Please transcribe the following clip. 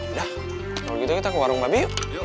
udah kalau gitu kita ke warung mabih yuk